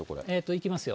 いきますよ。